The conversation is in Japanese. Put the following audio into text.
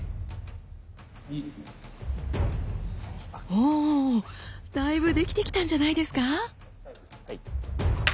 ほおだいぶできてきたんじゃないですか。